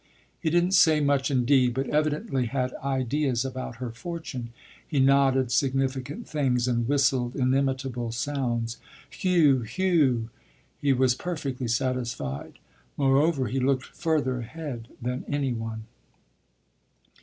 He didn't say much indeed, but evidently had ideas about her fortune; he nodded significant things and whistled inimitable sounds "Heuh, heuh!" He was perfectly satisfied; moreover, he looked further ahead than any one.